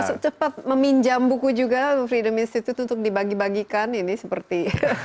bisa cepat meminjam buku juga freedom institute untuk dibagi bagikan ini seperti